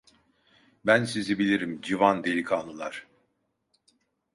Ben sizi bilirim, civan delikanlılar.